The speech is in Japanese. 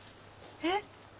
えっ？